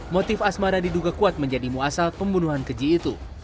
motif asmara diduga kuat menjadi muasal pembunuhan keji itu